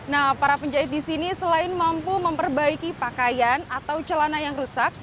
nah para penjahit di sini selain mampu memperbaiki pakaian atau celana yang rusak